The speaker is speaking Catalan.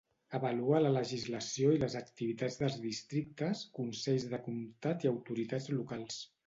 Avalua la legislació i les activitats dels districtes, consells de comtat i autoritats locals